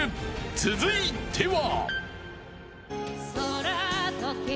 ［続いては］